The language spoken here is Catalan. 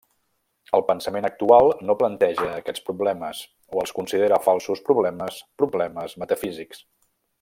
El pensament actual no planteja aquests problemes, o els considera falsos problemes, problemes metafísics.